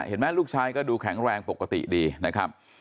เห็นไหมลูกชายก็ดูแข็งแรงปกติดีนะครับ